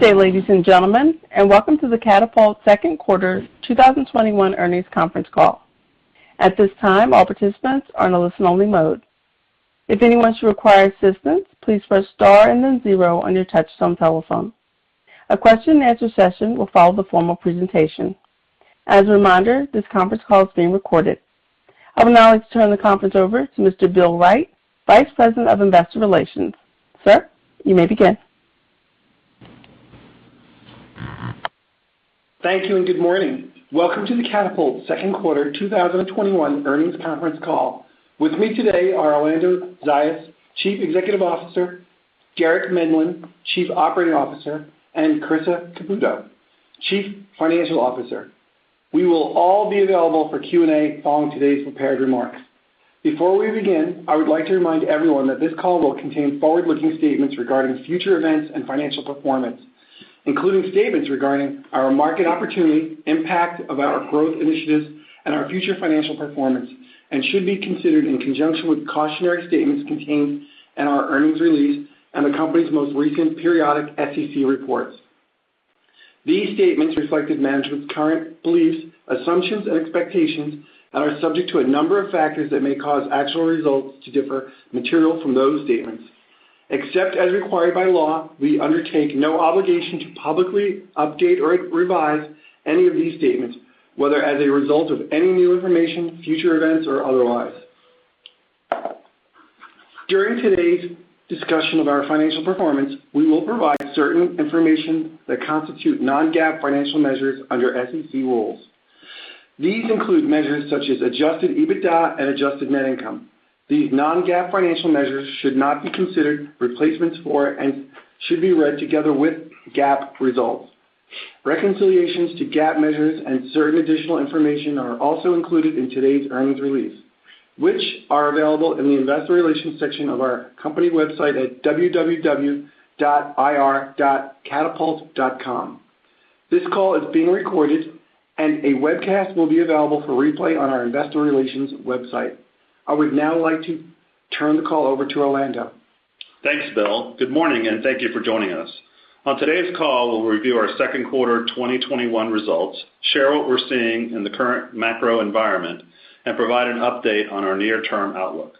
Good day, ladies and gentlemen, and welcome to the Katapult Second Quarter 2021 Earnings Conference Call. I would now like to turn the conference over to Mr. Bill Wright, Vice President of Investor Relations. Sir, you may begin. Thank you. Good morning. Welcome to the Katapult second quarter 2021 earnings conference call. With me today are Orlando Zayas, Chief Executive Officer, Derek Medlin, Chief Operating Officer, and Karissa Cupito, Chief Financial Officer. We will all be available for Q&A following today's prepared remarks. Before we begin, I would like to remind everyone that this call will contain forward-looking statements regarding future events and financial performance, including statements regarding our market opportunity, impact of our growth initiatives, and our future financial performance, and should be considered in conjunction with cautionary statements contained in our earnings release and the company's most recent periodic SEC reports. These statements reflect management's current beliefs, assumptions, and expectations and are subject to a number of factors that may cause actual results to differ material from those statements. Except as required by law, we undertake no obligation to publicly update or revise any of these statements, whether as a result of any new information, future events, or otherwise. During today's discussion of our financial performance, we will provide certain information that constitute non-GAAP financial measures under SEC rules. These include measures such as adjusted EBITDA and adjusted net income. These non-GAAP financial measures should not be considered replacements for and should be read together with GAAP results. Reconciliations to GAAP measures and certain additional information are also included in today's earnings release, which are available in the investor relations section of our company website at www.ir.katapult.com. This call is being recorded, and a webcast will be available for replay on our investor relations website. I would now like to turn the call over to Orlando. Thanks, Bill. Good morning, and thank you for joining us. On today's call, we'll review our second quarter 2021 results, share what we're seeing in the current macro environment, and provide an update on our near-term outlook.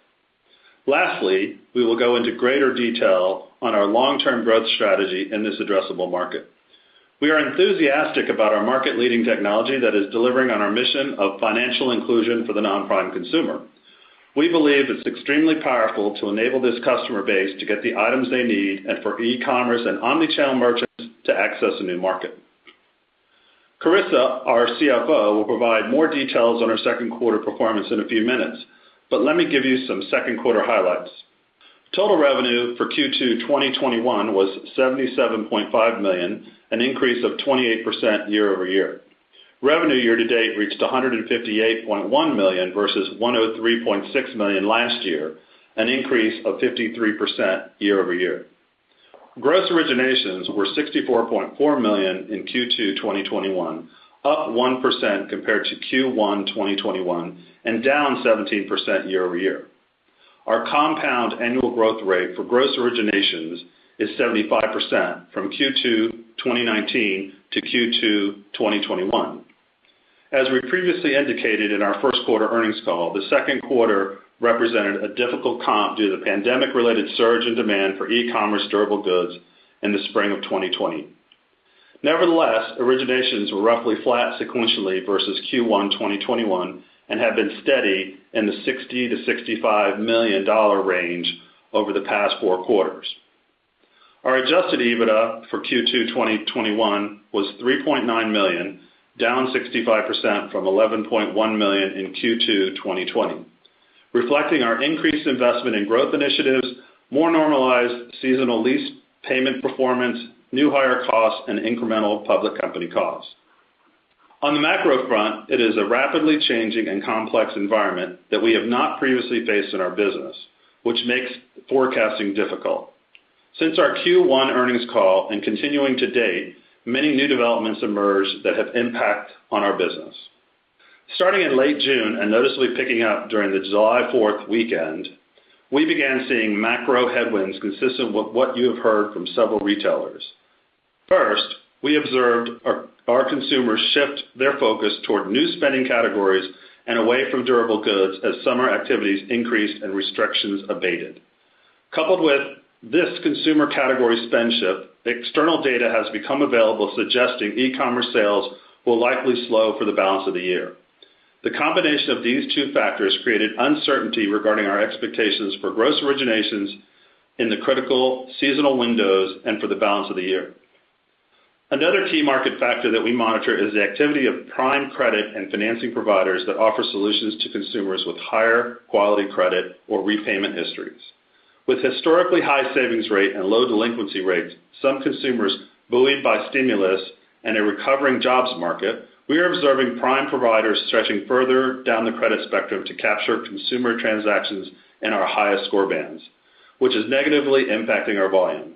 Lastly, we will go into greater detail on our long-term growth strategy in this addressable market. We are enthusiastic about our market-leading technology that is delivering on our mission of financial inclusion for the non-prime consumer. We believe it's extremely powerful to enable this customer base to get the items they need and for e-commerce and omnichannel merchants to access a new market. Karissa, our CFO, will provide more details on our second-quarter performance in a few minutes, but let me give you some second-quarter highlights. Total revenue for Q2 2021 was $77.5 million, an increase of 28% year-over-year. Revenue year to date reached $158.1 million versus $103.6 million last year, an increase of 53% year-over-year. Gross originations were $64.4 million in Q2 2021, up 1% compared to Q1 2021 and down 17% year-over-year. Our compound annual growth rate for gross originations is 75% from Q2 2019 to Q2 2021. As we previously indicated in our first quarter earnings call, the second quarter represented a difficult comp due to the pandemic-related surge in demand for e-commerce durable goods in the spring of 2020. Nevertheless, originations were roughly flat sequentially versus Q1 2021 and have been steady in the $60 million-$65 million range over the past four quarters. Our adjusted EBITDA for Q2 2021 was $3.9 million, down 65% from $11.1 million in Q2 2020, reflecting our increased investment in growth initiatives, more normalized seasonal lease payment performance, new hire costs, and incremental public company costs. On the macro front, it is a rapidly changing and complex environment that we have not previously faced in our business, which makes forecasting difficult. Since our Q1 earnings call and continuing to date, many new developments emerged that have impact on our business. Starting in late June and noticeably picking up during the July 4th weekend, we began seeing macro headwinds consistent with what you have heard from several retailers. First, we observed our consumers shift their focus toward new spending categories and away from durable goods as summer activities increased and restrictions abated. Coupled with this consumer category spend shift, external data has become available suggesting e-commerce sales will likely slow for the balance of the year. The combination of these two factors created uncertainty regarding our expectations for gross originations in the critical seasonal windows and for the balance of the year. Another key market factor that we monitor is the activity of prime credit and financing providers that offer solutions to consumers with higher-quality credit or repayment histories. With historically high savings rate and low delinquency rates, some consumers buoyed by stimulus and a recovering jobs market, we are observing prime providers stretching further down the credit spectrum to capture consumer transactions in our highest score bands, which is negatively impacting our volume.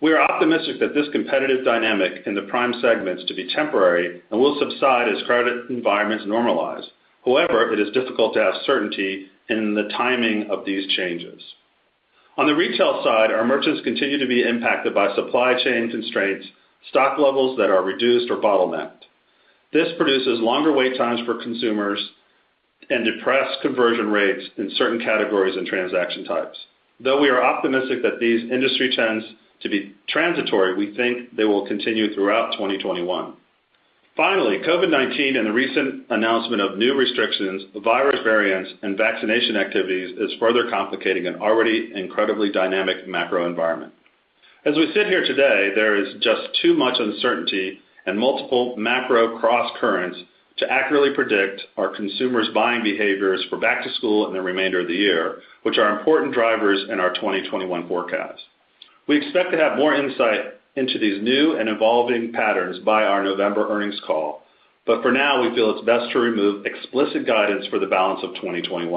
We are optimistic that this competitive dynamic in the prime segments to be temporary and will subside as credit environments normalize. However, it is difficult to have certainty in the timing of these changes. On the retail side, our merchants continue to be impacted by supply chain constraints, stock levels that are reduced or bottlenecked. This produces longer wait times for consumers and depressed conversion rates in certain categories and transaction types. Though we are optimistic that these industry trends to be transitory, we think they will continue throughout 2021. Finally, COVID-19 and the recent announcement of new restrictions, the virus variants, and vaccination activities is further complicating an already incredibly dynamic macro environment. As we sit here today, there is just too much uncertainty and multiple macro crosscurrents to accurately predict our consumers' buying behaviors for back to school and the remainder of the year, which are important drivers in our 2021 forecast. We expect to have more insight into these new and evolving patterns by our November earnings call. For now, we feel it's best to remove explicit guidance for the balance of 2021.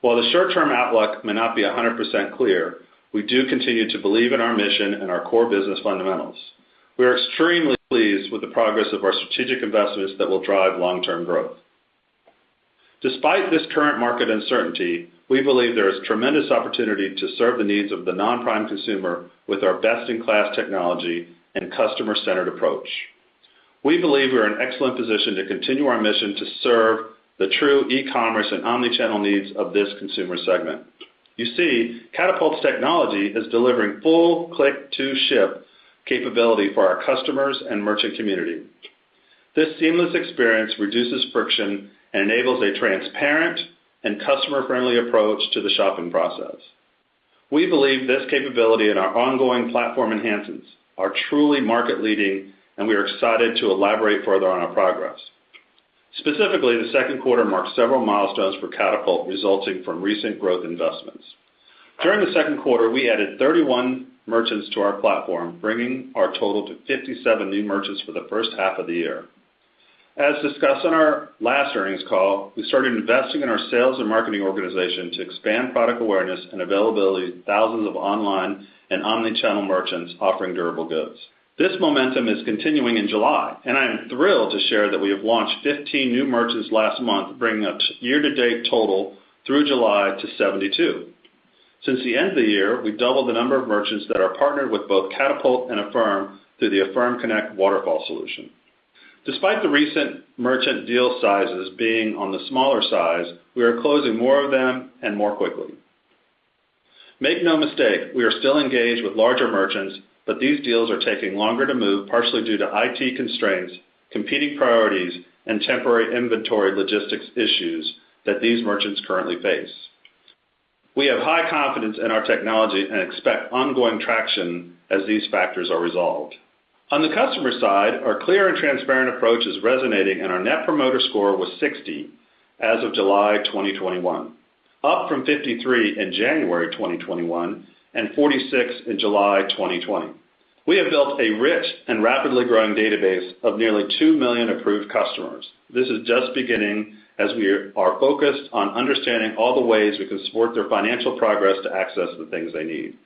While the short-term outlook may not be 100% clear, we do continue to believe in our mission and our core business fundamentals. We are extremely pleased with the progress of our strategic investments that will drive long-term growth. Despite this current market uncertainty, we believe there is tremendous opportunity to serve the needs of the non-prime consumer with our best-in-class technology and customer-centered approach. We believe we're in excellent position to continue our mission to serve the true e-commerce and omni-channel needs of this consumer segment. You see, Katapult's technology is delivering full ClickToShip capability for our customers and merchant community. This seamless experience reduces friction and enables a transparent and customer-friendly approach to the shopping process. We believe this capability and our ongoing platform enhancements are truly market-leading, and we are excited to elaborate further on our progress. Specifically, the second quarter marks several milestones for Katapult resulting from recent growth investments. During the second quarter, we added 31 merchants to our platform, bringing our total to 57 new merchants for the first half of the year. As discussed on our last earnings call, we started investing in our sales and marketing organization to expand product awareness and availability to thousands of online and omni-channel merchants offering durable goods. This momentum is continuing in July. I am thrilled to share that we have launched 15 new merchants last month, bringing up to year-to-date total through July to 72. Since the end of the year, we've doubled the number of merchants that are partnered with both Katapult and Affirm through the Affirm Connect Waterfall solution. Despite the recent merchant deal sizes being on the smaller size, we are closing more of them and more quickly. Make no mistake, we are still engaged with larger merchants. These deals are taking longer to move, partially due to IT constraints, competing priorities, and temporary inventory logistics issues that these merchants currently face. We have high confidence in our technology and expect ongoing traction as these factors are resolved. On the customer side, our clear and transparent approach is resonating. Our Net Promoter Score was 60 as of July 2021, up from 53 in January 2021, and 46 in July 2020. We have built a rich and rapidly growing database of nearly 2 million approved customers. This is just beginning as we are focused on understanding all the ways we can support their financial progress to access the things they need.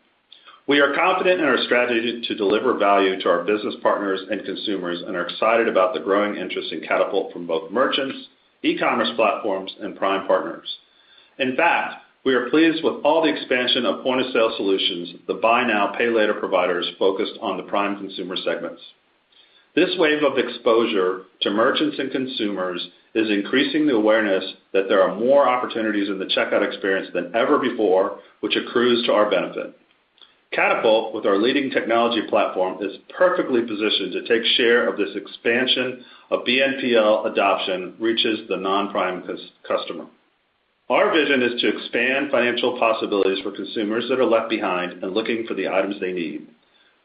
We are confident in our strategy to deliver value to our business partners and consumers and are excited about the growing interest in Katapult from both merchants, e-commerce platforms, and prime partners. We are pleased with all the expansion of point-of-sale solutions the Buy Now, Pay Later providers focused on the prime consumer segments. This wave of exposure to merchants and consumers is increasing the awareness that there are more opportunities in the checkout experience than ever before, which accrues to our benefit. Katapult, with our leading technology platform, is perfectly positioned to take share of this expansion of BNPL adoption, reaches the non-prime customer. Our vision is to expand financial possibilities for consumers that are left behind and looking for the items they need.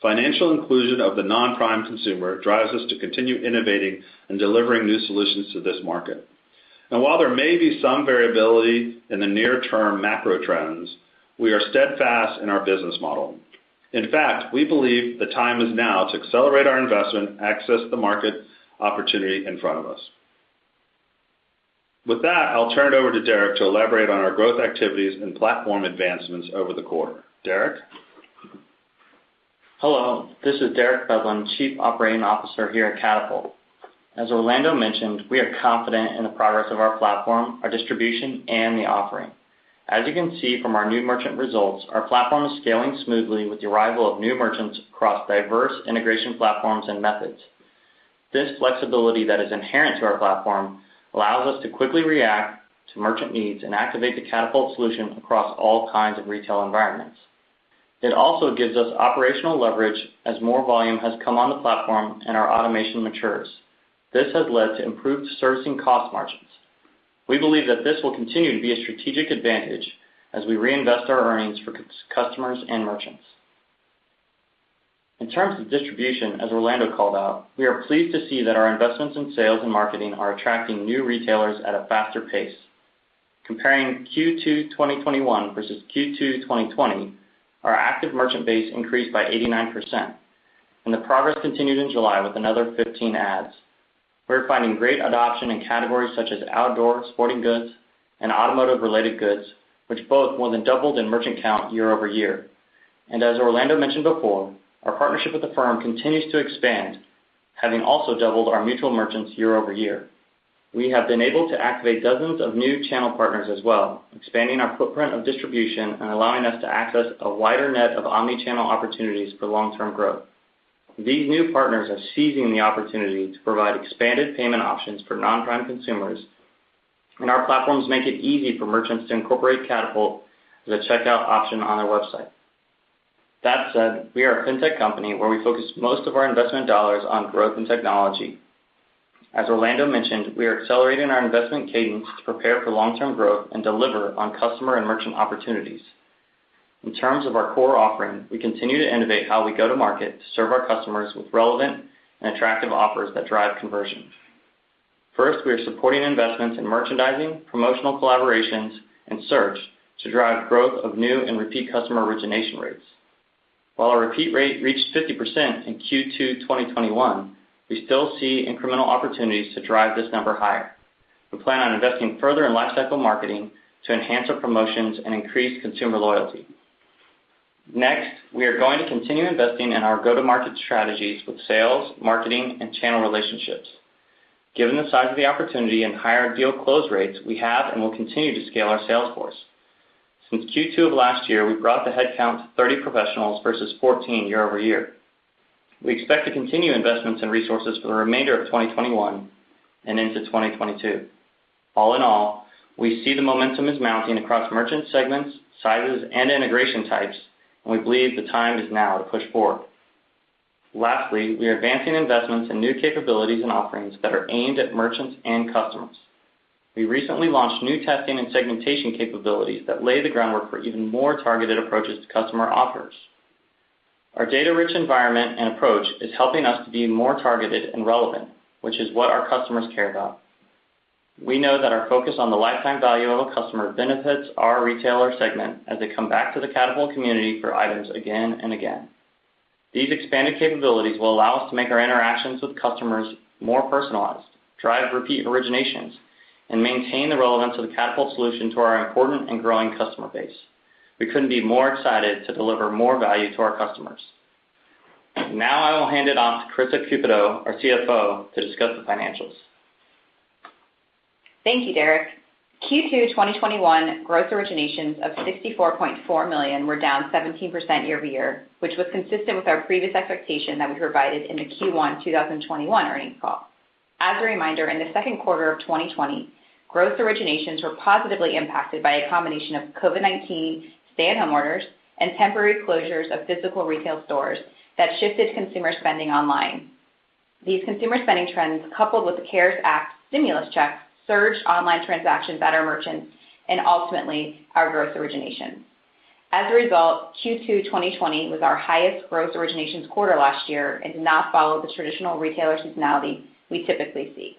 Financial inclusion of the non-prime consumer drives us to continue innovating and delivering new solutions to this market. While there may be some variability in the near-term macro trends, we are steadfast in our business model. In fact, we believe the time is now to accelerate our investment and access the market opportunity in front of us. With that, I'll turn it over to Derek to elaborate on our growth activities and platform advancements over the quarter. Derek? Hello, this is Derek Medlin, Chief Operating Officer here at Katapult. As Orlando mentioned, we are confident in the progress of our platform, our distribution, and the offering. As you can see from our new merchant results, our platform is scaling smoothly with the arrival of new merchants across diverse integration platforms and methods. This flexibility that is inherent to our platform allows us to quickly react to merchant needs and activate the Katapult solution across all kinds of retail environments. It also gives us operational leverage as more volume has come on the platform and our automation matures. This has led to improved servicing cost margins. We believe that this will continue to be a strategic advantage as we reinvest our earnings for customers and merchants. In terms of distribution, as Orlando called out, we are pleased to see that our investments in sales and marketing are attracting new retailers at a faster pace. Comparing Q2 2021 versus Q2 2020, our active merchant base increased by 89%, and the progress continued in July with another 15 adds. We're finding great adoption in categories such as outdoor, sporting goods, and automotive-related goods, which both more than doubled in merchant count year-over-year. As Orlando mentioned before, our partnership with Affirm continues to expand, having also doubled our mutual merchants year-over-year. We have been able to activate dozens of new channel partners as well, expanding our footprint of distribution and allowing us to access a wider net of omni-channel opportunities for long-term growth. These new partners are seizing the opportunity to provide expanded payment options for non-prime consumers, and our platforms make it easy for merchants to incorporate Katapult as a checkout option on their website. That said, we are a fintech company where we focus most of our investment dollars on growth and technology. As Orlando mentioned, we are accelerating our investment cadence to prepare for long-term growth and deliver on customer and merchant opportunities. In terms of our core offering, we continue to innovate how we go to market to serve our customers with relevant and attractive offers that drive conversion. First, we are supporting investments in merchandising, promotional collaborations, and search to drive growth of new and repeat customer origination rates. While our repeat rate reached 50% in Q2 2021, we still see incremental opportunities to drive this number higher. We plan on investing further in lifecycle marketing to enhance our promotions and increase consumer loyalty. Next, we are going to continue investing in our go-to-market strategies with sales, marketing, and channel relationships. Given the size of the opportunity and higher deal close rates, we have and will continue to scale our sales force. Since Q2 of last year, we've brought the headcount to 30 professionals versus 14 year-over-year. We expect to continue investments in resources for the remainder of 2021 and into 2022. All in all, we see the momentum is mounting across merchant segments, sizes, and integration types, and we believe the time is now to push forward. Lastly, we are advancing investments in new capabilities and offerings that are aimed at merchants and customers. We recently launched new testing and segmentation capabilities that lay the groundwork for even more targeted approaches to customer offers. Our data-rich environment and approach is helping us to be more targeted and relevant, which is what our customers care about. We know that our focus on the lifetime value of a customer benefits our retailer segment as they come back to the Katapult community for items again and again. These expanded capabilities will allow us to make our interactions with customers more personalized, drive repeat originations, and maintain the relevance of the Katapult solution to our important and growing customer base. We couldn't be more excited to deliver more value to our customers. Now I will hand it off to Karissa Cupito, our CFO, to discuss the financials. Thank you, Derek. Q2 2021 gross originations of $64.4 million were down 17% year-over-year, which was consistent with our previous expectation that we provided in the Q1 2021 earnings call. As a reminder, in the second quarter of 2020, gross originations were positively impacted by a combination of COVID-19 stay-at-home orders and temporary closures of physical retail stores that shifted consumer spending online. These consumer spending trends, coupled with the CARES Act stimulus checks, surged online transactions at our merchants and ultimately our gross originations. As a result, Q2 2020 was our highest gross originations quarter last year and did not follow the traditional retailer seasonality we typically see.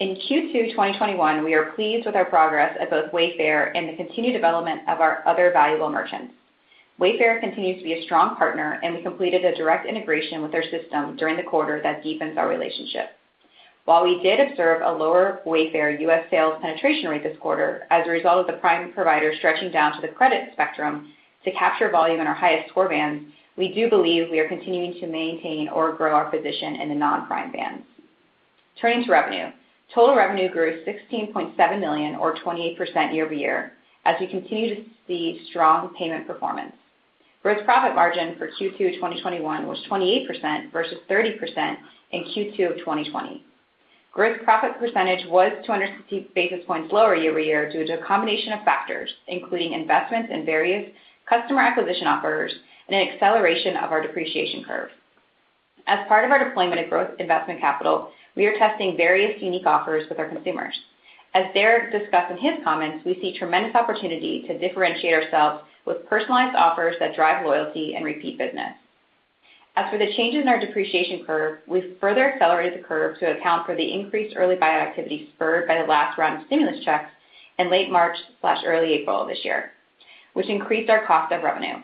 In Q2 2021, we are pleased with our progress at both Wayfair and the continued development of our other valuable merchants. Wayfair continues to be a strong partner, and we completed a direct integration with their system during the quarter that deepens our relationship. While we did observe a lower Wayfair U.S. sales penetration rate this quarter as a result of the prime provider stretching down to the credit spectrum to capture volume in our highest score bands, we do believe we are continuing to maintain or grow our position in the non-prime bands. Turning to revenue. Total revenue grew to $16.7 million or 28% year-over-year as we continue to see strong payment performance. Gross profit margin for Q2 2021 was 28% versus 30% in Q2 of 2020. Gross profit percentage was 260 basis points lower year-over-year due to a combination of factors, including investments in various customer acquisition offers and an acceleration of our depreciation curve. As part of our deployment of growth investment capital, we are testing various unique offers with our consumers. As Derek discussed in his comments, we see tremendous opportunity to differentiate ourselves with personalized offers that drive loyalty and repeat business. As for the changes in our depreciation curve, we've further accelerated the curve to account for the increased early buy activity spurred by the last round of stimulus checks in late March/early April of this year, which increased our cost of revenue.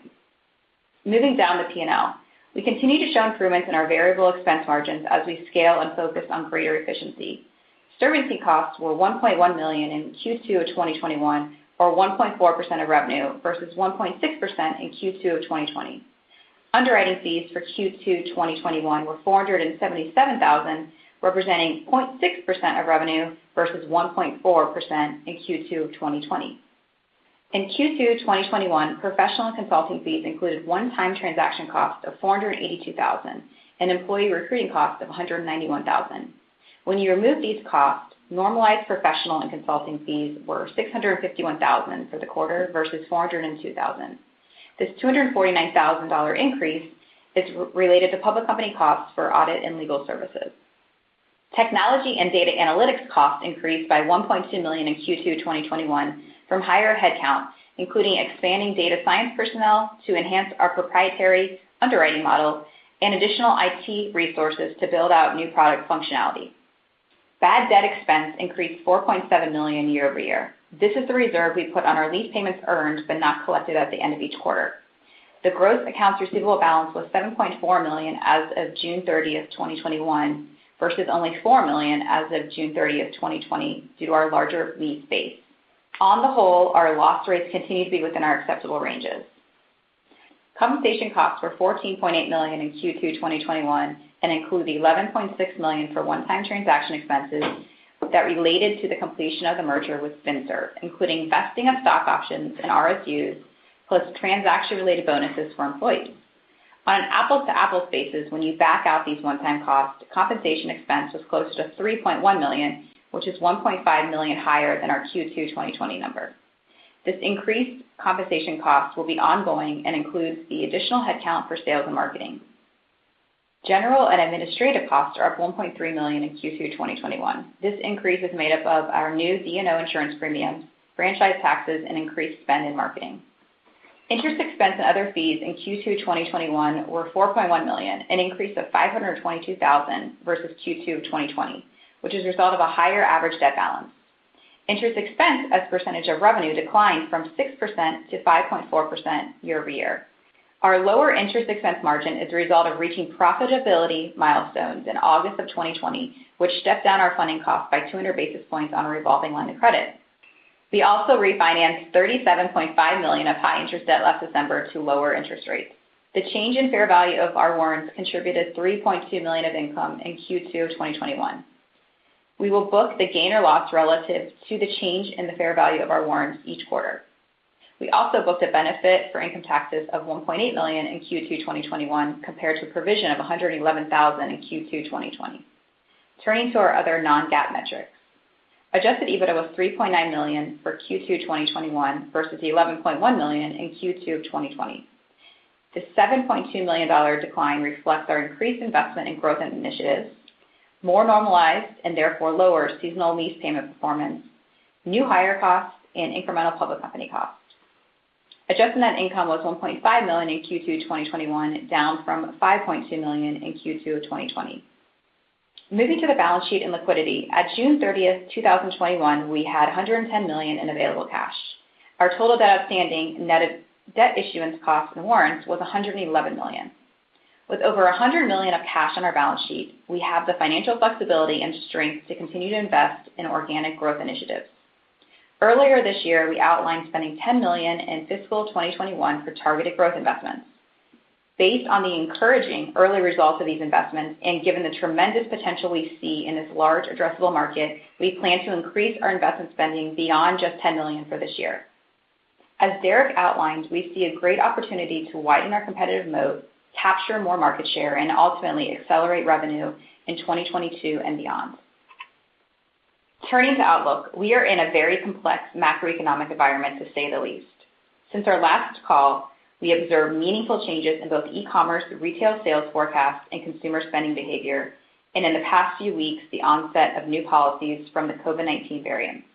Moving down to P&L. We continue to show improvements in our variable expense margins as we scale and focus on greater efficiency. Servicing costs were $1.1 million in Q2 of 2021 or 1.4% of revenue versus 1.6% in Q2 of 2020. Underwriting fees for Q2 2021 were $477,000, representing 0.6% of revenue versus 1.4% in Q2 of 2020. In Q2 2021, professional and consulting fees included one-time transaction costs of $482,000 and employee recruiting costs of $191,000. When you remove these costs, normalized professional and consulting fees were $651,000 for the quarter versus $402,000. This $249,000 increase is related to public company costs for audit and legal services. Technology and data analytics costs increased by $1.2 million in Q2 2021 from higher headcount, including expanding data science personnel to enhance our proprietary underwriting model and additional IT resources to build out new product functionality. Bad debt expense increased to $4.7 million year-over-year. This is the reserve we put on our lease payments earned but not collected at the end of each quarter. The gross accounts receivable balance was $7.4 million as of June 30th, 2021 versus only $4 million as of June 30th, 2020 due to our larger lease base. On the whole, our loss rates continue to be within our acceptable ranges. Compensation costs were $14.8 million in Q2 2021, and include the $11.6 million for one-time transaction expenses that related to the completion of the merger with FinServ, including vesting of stock options and RSUs, plus transaction-related bonuses for employees. On an apples-to-apples basis, when you back out these one-time costs, compensation expense was closer to $3.1 million, which is $1.5 million higher than our Q2 2020 number. This increased compensation cost will be ongoing and includes the additional head count for sales and marketing. General and administrative costs are up $1.3 million in Q2 2021. This increase is made up of our new D&O insurance premiums, franchise taxes, and increased spend in marketing. Interest expense and other fees in Q2 2021 were $4.1 million, an increase of $522,000 versus Q2 2020, which is a result of a higher average debt balance. Interest expense as a percentage of revenue declined from 6% to 5.4% year-over-year. Our lower interest expense margin is a result of reaching profitability milestones in August 2020, which stepped down our funding cost by 200 basis points on a revolving line of credit. We also refinanced $37.5 million of high interest debt last December to lower interest rates. The change in fair value of our warrants contributed $3.2 million of income in Q2 2021. We will book the gain or loss relative to the change in the fair value of our warrants each quarter. We also booked a benefit for income taxes of $1.8 million in Q2 2021, compared to a provision of $111,000 in Q2 2020. Turning to our other non-GAAP metrics. adjusted EBITDA was $3.9 million for Q2 2021 versus the $11.1 million in Q2 of 2020. The $7.2 million decline reflects our increased investment in growth initiatives, more normalized, and therefore lower, seasonal lease payment performance, new hire costs, and incremental public company costs. adjusted net income was $1.5 million in Q2 2021, down from $5.2 million in Q2 of 2020. Moving to the balance sheet and liquidity. At June 30th, 2021, we had $110 million in available cash. Our total debt outstanding, net of debt issuance costs and warrants, was $111 million. With over $100 million of cash on our balance sheet, we have the financial flexibility and strength to continue to invest in organic growth initiatives. Earlier this year, we outlined spending $10 million in fiscal 2021 for targeted growth investments. Based on the encouraging early results of these investments, and given the tremendous potential we see in this large addressable market, we plan to increase our investment spending beyond just $10 million for this year. As Derek outlined, we see a great opportunity to widen our competitive moat, capture more market share, and ultimately accelerate revenue in 2022 and beyond. Turning to outlook. We are in a very complex macroeconomic environment, to say the least. Since our last call, we observed meaningful changes in both e-commerce retail sales forecasts and consumer spending behavior, and in the past few weeks, the onset of new policies from the COVID-19 variants.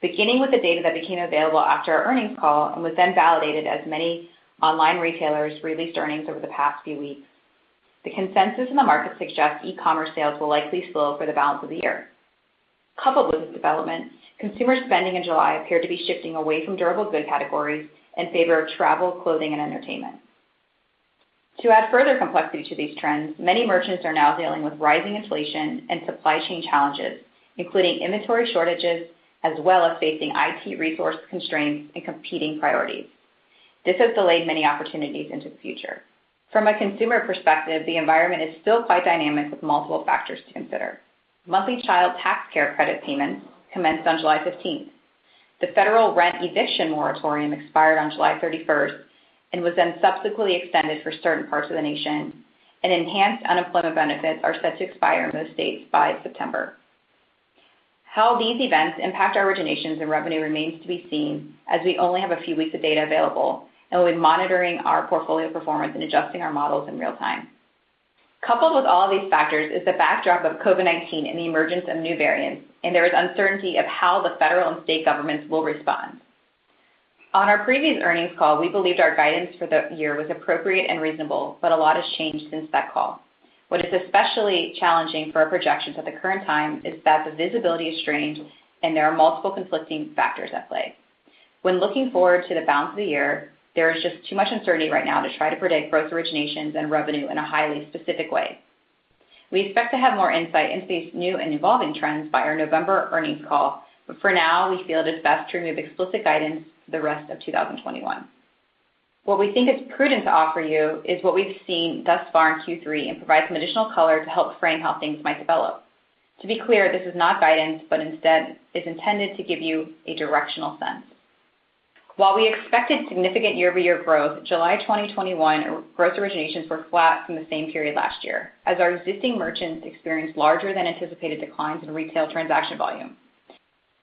Beginning with the data that became available after our earnings call and was then validated as many online retailers released earnings over the past few weeks, the consensus in the market suggests e-commerce sales will likely slow for the balance of the year. Coupled with this development, consumer spending in July appeared to be shifting away from durable goods categories in favor of travel, clothing, and entertainment. To add further complexity to these trends, many merchants are now dealing with rising inflation and supply chain challenges, including inventory shortages, as well as facing IT resource constraints and competing priorities. This has delayed many opportunities into the future. From a consumer perspective, the environment is still quite dynamic with multiple factors to consider. Monthly Child Tax Credit payments commenced on July 15th. The federal rent eviction moratorium expired on July 31st and was then subsequently extended for certain parts of the nation, and enhanced unemployment benefits are set to expire in most states by September. How these events impact our originations and revenue remains to be seen, as we only have a few weeks of data available, and we'll be monitoring our portfolio performance and adjusting our models in real time. Coupled with all of these factors is the backdrop of COVID-19 and the emergence of new variants, and there is uncertainty of how the federal and state governments will respond. On our previous earnings call, we believed our guidance for the year was appropriate and reasonable, but a lot has changed since that call. What is especially challenging for our projections at the current time is that the visibility is strained and there are multiple conflicting factors at play. When looking forward to the balance of the year, there is just too much uncertainty right now to try to predict gross originations and revenue in a highly specific way. We expect to have more insight into these new and evolving trends by our November earnings call. For now, we feel it is best to remove explicit guidance for the rest of 2021. What we think is prudent to offer you is what we've seen thus far in Q3 and provide some additional color to help frame how things might develop. To be clear, this is not guidance, but instead is intended to give you a directional sense. While we expected significant year-over-year growth, July 2021 gross originations were flat from the same period last year, as our existing merchants experienced larger than anticipated declines in retail transaction volume.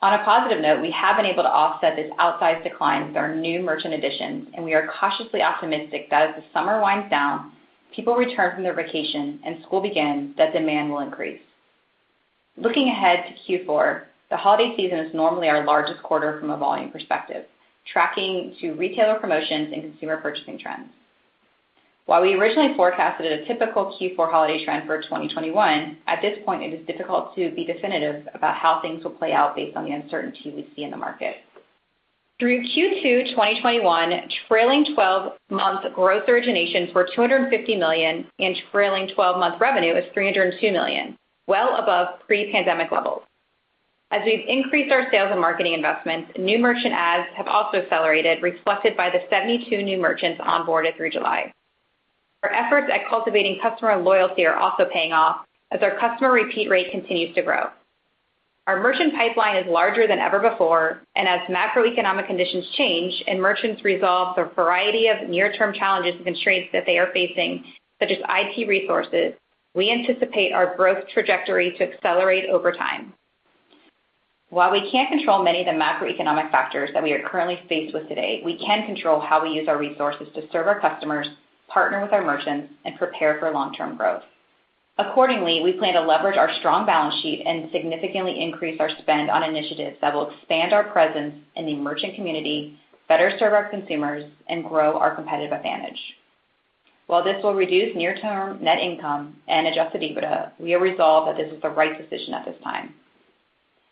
On a positive note, we have been able to offset this outsized decline with our new merchant additions, and we are cautiously optimistic that as the summer winds down, people return from their vacation, and school begins, that demand will increase. Looking ahead to Q4, the holiday season is normally our largest quarter from a volume perspective, tracking to retailer promotions and consumer purchasing trends. While we originally forecasted a typical Q4 holiday trend for 2021, at this point it is difficult to be definitive about how things will play out based on the uncertainty we see in the market. Through Q2 2021, trailing 12-month gross originations were $250 million, and trailing 12-month revenue is $302 million, well above pre-pandemic levels. As we've increased our sales and marketing investments, new merchant adds have also accelerated, reflected by the 72 new merchants onboarded through July. Our efforts at cultivating customer loyalty are also paying off as our customer repeat rate continues to grow. Our merchant pipeline is larger than ever before. As macroeconomic conditions change and merchants resolve the variety of near-term challenges and constraints that they are facing, such as IT resources, we anticipate our growth trajectory to accelerate over time. While we can't control many of the macroeconomic factors that we are currently faced with today, we can control how we use our resources to serve our customers, partner with our merchants, and prepare for long-term growth. Accordingly, we plan to leverage our strong balance sheet and significantly increase our spend on initiatives that will expand our presence in the merchant community, better serve our consumers, and grow our competitive advantage. While this will reduce near-term net income and adjusted EBITDA, we are resolved that this is the right decision at this time.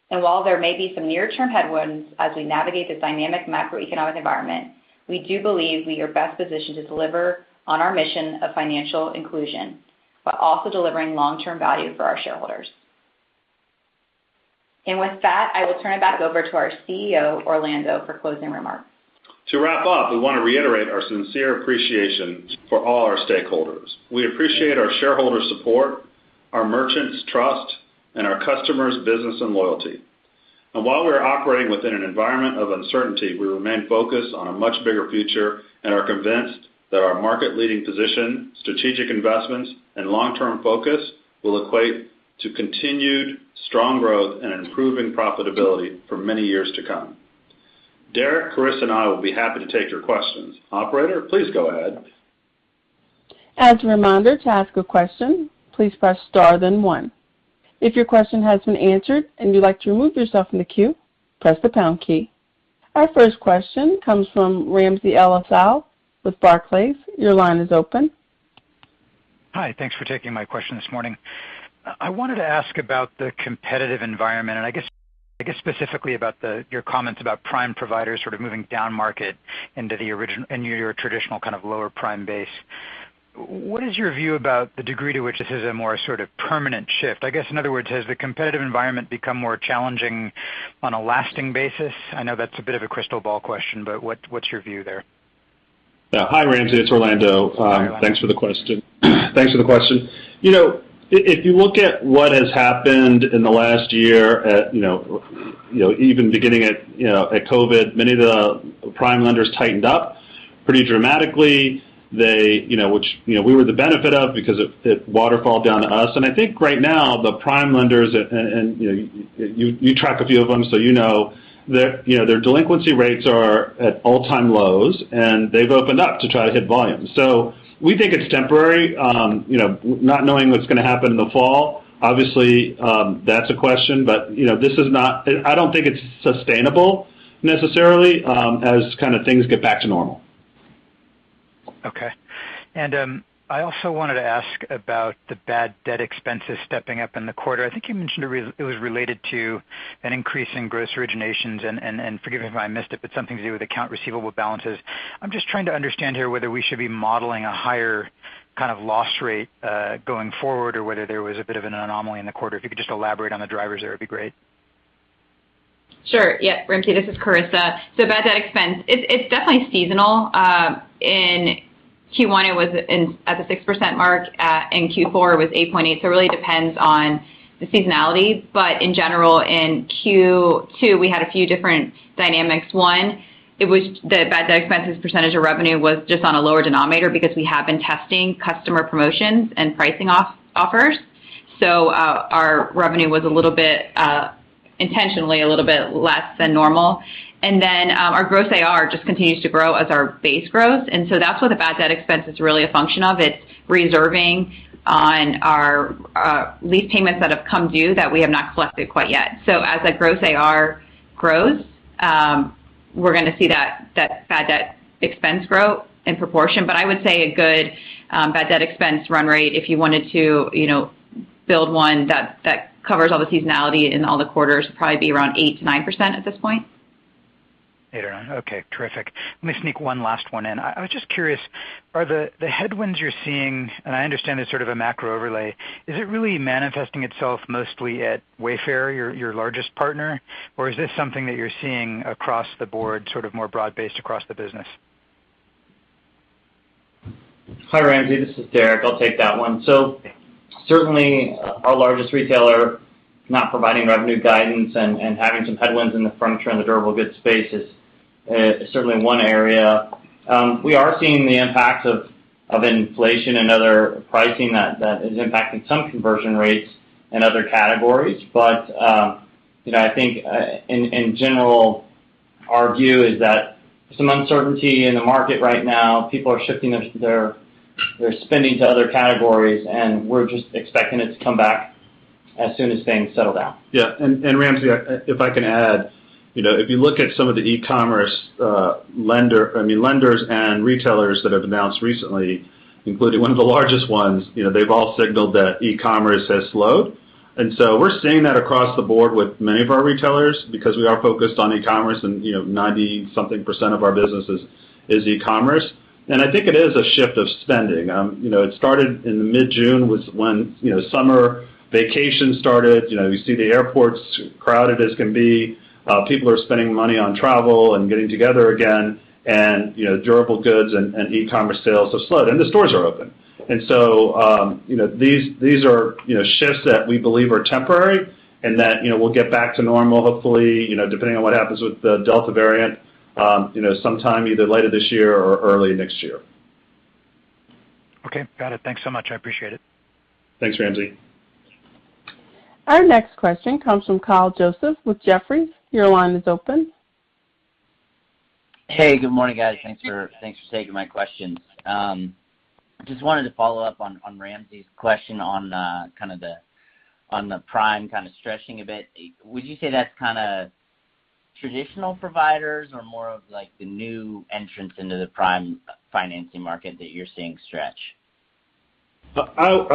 While there may be some near-term headwinds as we navigate the dynamic macroeconomic environment, we do believe we are best positioned to deliver on our mission of financial inclusion, while also delivering long-term value for our shareholders. With that, I will turn it back over to our CEO, Orlando, for closing remarks. To wrap up, we want to reiterate our sincere appreciation for all our stakeholders. We appreciate our shareholders' support, our merchants' trust, and our customers' business and loyalty. While we are operating within an environment of uncertainty, we remain focused on a much bigger future and are convinced that our market-leading position, strategic investments, and long-term focus will equate to continued strong growth and improving profitability for many years to come. Derek, Karissa, and I will be happy to take your questions. Operator, please go ahead. As a reminder to ask a question, please press star then one. If your question has been answered and would like to remove yourself from the queue, press the pound key. Our first question comes from Ramsey El-Assal with Barclays. Your line is open. Hi. Thanks for taking my question this morning. I wanted to ask about the competitive environment, and I guess specifically about your comments about prime providers sort of moving down market into your traditional kind of lower prime base. What is your view about the degree to which this is a more sort of permanent shift? I guess, in other words, has the competitive environment become more challenging on a lasting basis? I know that's a bit of a crystal ball question, but what's your view there? Hi, Ramsey El-Assal. It's Orlando. Hi, Orlando. Thanks for the question. If you look at what has happened in the last year at, even beginning at COVID, many of the prime lenders tightened up pretty dramatically, which we were the benefit of because it waterfall down to us. I think right now, the prime lenders, you track a few of them, you know their delinquency rates are at all-time lows, they've opened up to try to hit volume. We think it's temporary. Not knowing what's going to happen in the fall, obviously, that's a question. I don't think it's sustainable necessarily as things get back to normal. Okay. I also wanted to ask about the bad debt expenses stepping up in the quarter. I think you mentioned it was related to an increase in gross originations, and forgive me if I missed it, but something to do with account receivable balances. I'm just trying to understand here whether we should be modeling a higher kind of loss rate going forward or whether there was a bit of an anomaly in the quarter. If you could just elaborate on the drivers there, it'd be great. Sure. Yeah. Ramsey, this is Karissa. Bad debt expense. It's definitely seasonal. In Q1, it was at the 6% mark. In Q4, it was 8.8%. It really depends on the seasonality. In general, in Q2, we had a few different dynamics. One, the bad debt expenses percentage of revenue was just on a lower denominator because we have been testing customer promotions and pricing offers. Our revenue was intentionally a little bit less than normal. Our gross AR just continues to grow as our base grows. That's what the bad debt expense is really a function of. It's reserving on our lease payments that have come due that we have not collected quite yet. As that gross AR grows, we're going to see that bad debt expense grow in proportion. I would say a good bad debt expense run rate, if you wanted to build one that covers all the seasonality in all the quarters, would probably be around 8%-9% at this point. 8% or 9%. Okay, terrific. Let me sneak one last one in. I was just curious, are the headwinds you're seeing, and I understand it's sort of a macro overlay, is it really manifesting itself mostly at Wayfair, your largest partner? Or is this something that you're seeing across the board, sort of more broad-based across the business? Hi, Ramsey. This is Derek. I'll take that one. Certainly our largest retailer not providing revenue guidance and having some headwinds in the furniture and the durable goods space is certainly one area. We are seeing the impacts of inflation and other pricing that is impacting some conversion rates in other categories. I think, in general, our view is that some uncertainty in the market right now, people are shifting their spending to other categories, and we're just expecting it to come back as soon as things settle down. Yeah. Ramsey, if I can add, if you look at some of the e-commerce lenders and retailers that have announced recently, including one of the largest ones, they've all signaled that e-commerce has slowed. So we're seeing that across the board with many of our retailers because we are focused on e-commerce and 90% something of our business is e-commerce. I think it is a shift of spending. It started in the mid-June, was when summer vacation started. You see the airports crowded as can be. People are spending money on travel and getting together again. Durable goods and e-commerce sales have slowed, and the stores are open. So these are shifts that we believe are temporary and that will get back to normal, hopefully, depending on what happens with the Delta variant, sometime either later this year or early next year. Okay. Got it. Thanks so much. I appreciate it. Thanks, Ramsey. Our next question comes from Kyle Joseph with Jefferies. Your line is open. Hey, good morning, guys. Thanks for taking my questions. Just wanted to follow-up on Ramsey's question on the prime kind of stretching a bit. Would you say that's traditional providers or more of the new entrants into the prime financing market that you're seeing stretch? Hi,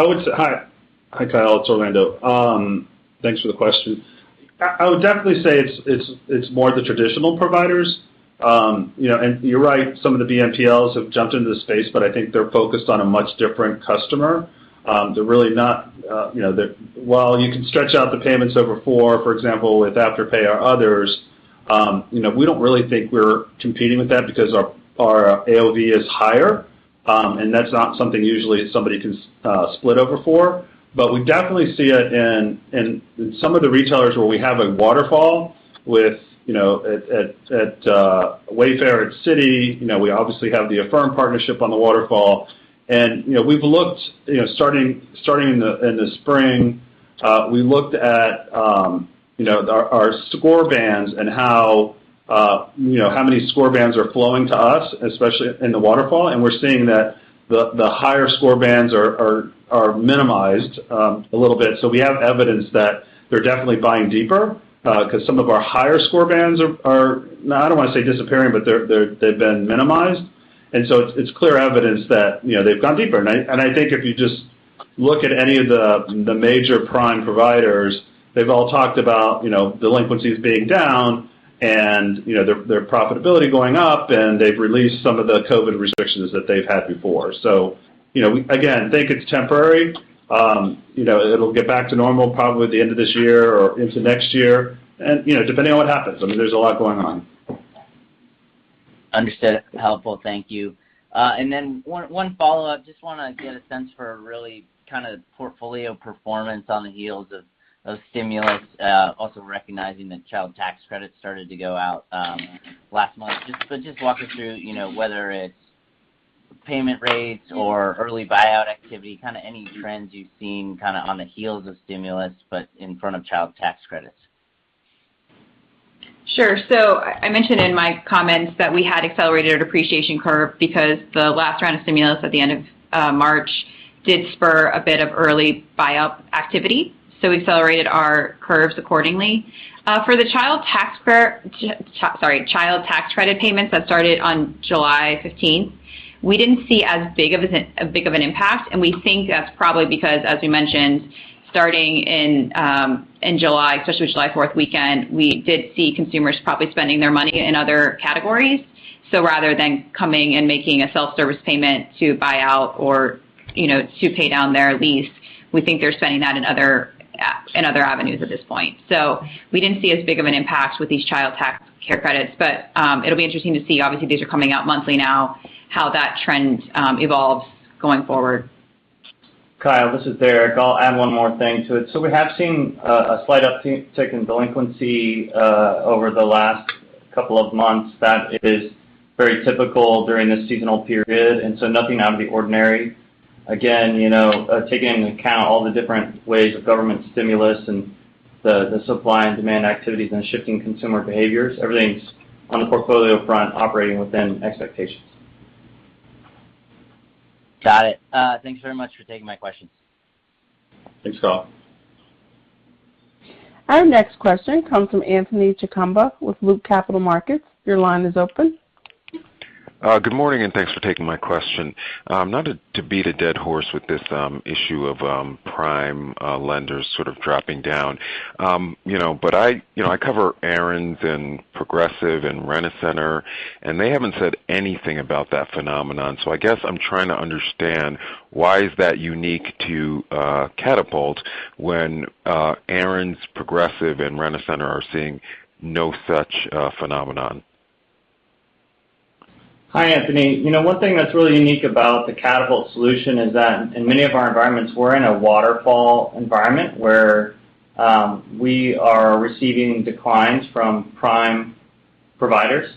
Kyle. It's Orlando. Thanks for the question. I would definitely say it's more the traditional providers. You're right, some of the BNPLs have jumped into the space, but I think they're focused on a much different customer. While you can stretch out the payments over four, for example, with Afterpay or others, we don't really think we're competing with them because our AOV is higher. That's not something usually somebody can split over four. We definitely see it in some of the retailers where we have a waterfall at Wayfair or Citi. We obviously have the Affirm partnership on the waterfall. Starting in the spring, we looked at our score bands and how many score bands are flowing to us, especially in the waterfall. We're seeing that the higher score bands are minimized a little bit. We have evidence that they're definitely buying deeper because some of our higher score bands are, I don't want to say disappearing, but they've been minimized. It's clear evidence that they've gone deeper. I think if you just look at any of the major prime providers, they've all talked about delinquencies being down and their profitability going up, and they've released some of the COVID restrictions that they've had before. Again, think it's temporary. It'll get back to normal probably at the end of this year or into next year, depending on what happens. I mean, there's a lot going on. Understood. Helpful. Thank you. Then one follow-up. Just want to get a sense for really kind of portfolio performance on the heels of stimulus. Also recognizing that Child Tax Credit started to go out last month. Just walk us through whether it's payment rates or early buyout activity, kind of any trends you've seen kind of on the heels of stimulus, but in front of Child Tax Credit. Sure. I mentioned in my comments that we had accelerated depreciation curve because the last round of stimulus at the end of March did spur a bit of early buyout activity. We accelerated our curves accordingly. For the Child Tax Credit payments that started on July 15th, we didn't see as big of an impact, and we think that's probably because, as we mentioned, starting in July, especially July 4th weekend, we did see consumers probably spending their money in other categories. Rather than coming and making a self-service payment to buy out or to pay down their lease, we think they're spending that in other avenues at this point. We didn't see as big of an impact with these Child Tax Credit credits. It'll be interesting to see. Obviously, these are coming out monthly now, how that trend evolves going forward. Kyle, this is Derek. I'll add one more thing to it. We have seen a slight uptick in delinquency over the last couple of months. That is very typical during this seasonal period, nothing out of the ordinary. Again, taking into account all the different ways of government stimulus and the supply and demand activities and shifting consumer behaviors, everything's on the portfolio front operating within expectations. Got it. Thanks very much for taking my questions. Thanks, Kyle. Our next question comes from Anthony Chukumba with Loop Capital Markets. Your line is open. Good morning, and thanks for taking my question. Not to beat a dead horse with this issue of prime lenders sort of dropping down. I cover Aaron's and Progressive and Rent-A-Center, and they haven't said anything about that phenomenon. I guess I'm trying to understand why is that unique to Katapult when Aaron's, Progressive, and Rent-A-Center are seeing no such phenomenon. Hi, Anthony. One thing that's really unique about the Katapult solution is that in many of our environments, we're in a waterfall environment where we are receiving declines from prime providers,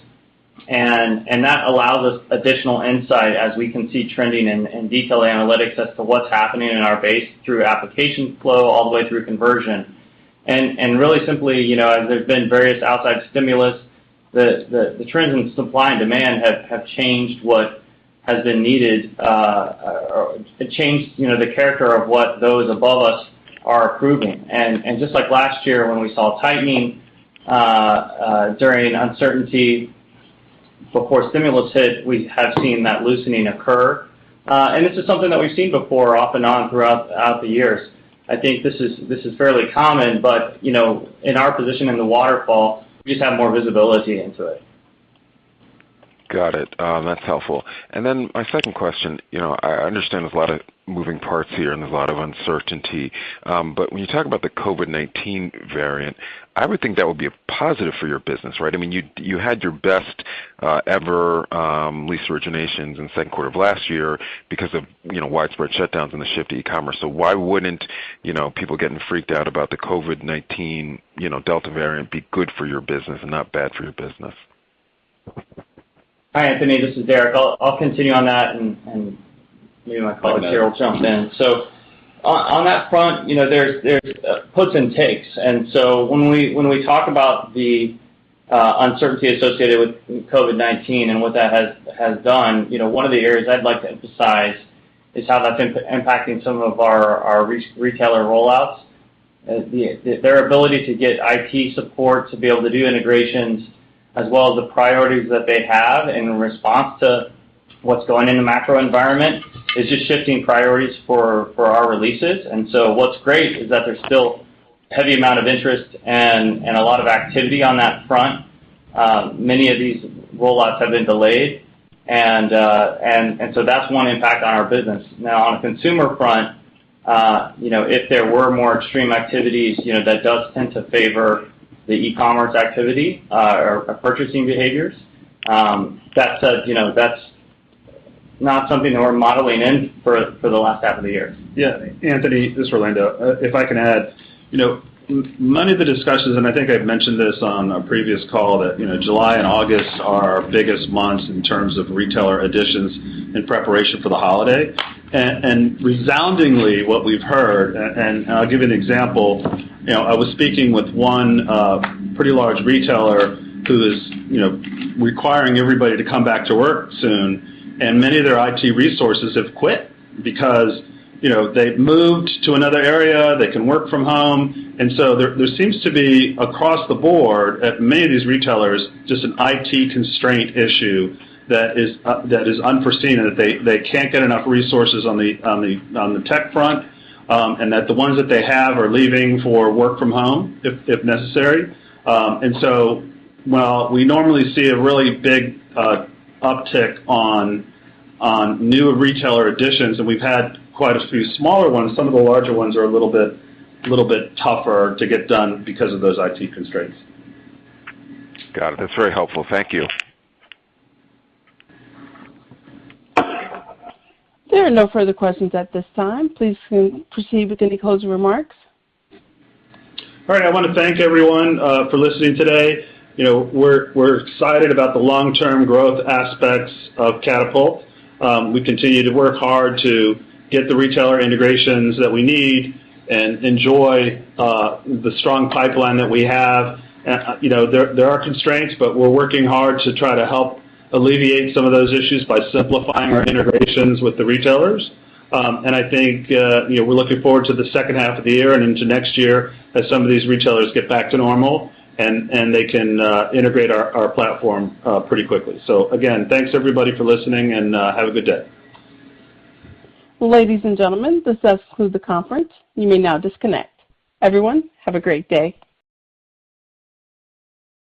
that allows us additional insight as we can see trending and detailed analytics as to what's happening in our base through application flow all the way through conversion. Really simply, as there's been various outside stimulus, the trends in supply and demand have changed what has been needed, or changed the character of what those above us are approving. Just like last year when we saw tightening during uncertainty. Before stimulus hit, we have seen that loosening occur. This is something that we've seen before off and on throughout the years. I think this is fairly common, but in our position in the waterfall, we just have more visibility into it. Got it. That's helpful. My second question, I understand there's a lot of moving parts here, and there's a lot of uncertainty, but when you talk about the COVID-19 variant, I would think that would be a positive for your business, right? You had your best ever lease originations in the second quarter of last year because of widespread shutdowns and the shift to e-commerce. Why wouldn't people getting freaked out about the COVID-19 Delta variant be good for your business and not bad for your business? Hi, Anthony. This is Derek. I'll continue on that, and maybe my colleague here will jump in. On that front, there's puts and takes. When we talk about the uncertainty associated with COVID-19 and what that has done, one of the areas I'd like to emphasize is how that's impacting some of our retailer rollouts. Their ability to get IT support to be able to do integrations, as well as the priorities that they have in response to what's going in the macro environment, is just shifting priorities for our releases. What's great is that there's still heavy amount of interest and a lot of activity on that front. Many of these rollouts have been delayed. That's one impact on our business. On a consumer front, if there were more extreme activities, that does tend to favor the e-commerce activity or purchasing behaviors. That said, that's not something that we're modeling in for the last half of the year. Yeah. Anthony, this is Orlando. If I can add, many of the discussions, and I think I've mentioned this on a previous call, that July and August are our biggest months in terms of retailer additions in preparation for the holiday. Resoundingly, what we've heard, and I'll give you an example. I was speaking with one pretty large retailer who is requiring everybody to come back to work soon, and many of their IT resources have quit because they've moved to another area, they can work from home. There seems to be, across the board at many of these retailers, just an IT constraint issue that is unforeseen, and that they can't get enough resources on the tech front, and that the ones that they have are leaving for work from home, if necessary. While we normally see a really big uptick on new retailer additions, and we've had quite a few smaller ones, some of the larger ones are a little bit tougher to get done because of those IT constraints. Got it. That's very helpful. Thank you. There are no further questions at this time. Please proceed with any closing remarks. All right. I want to thank everyone for listening today. We're excited about the long-term growth aspects of Katapult. We continue to work hard to get the retailer integrations that we need and enjoy the strong pipeline that we have. There are constraints, but we're working hard to try to help alleviate some of those issues by simplifying our integrations with the retailers. I think we're looking forward to the second half of the year and into next year, as some of these retailers get back to normal, and they can integrate our platform pretty quickly. Again, thanks everybody for listening, and have a good day. Ladies and gentlemen, this does conclude the conference. You may now disconnect. Everyone, have a great day.